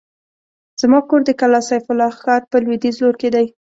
زما کور د کلا سيف الله ښار په لوېديځ لور کې دی.